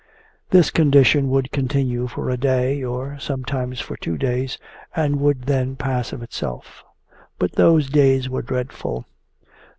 This condition would continue for a day, or sometimes for two days, and would then pass of itself. But those days were dreadful.